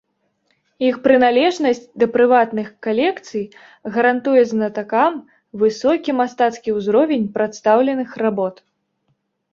Іх прыналежнасць да прыватных калекцый гарантуе знатакам высокі мастацкі ўзровень прадстаўленых работ.